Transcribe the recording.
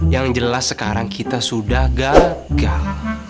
yang jelas sekarang kita sudah gagal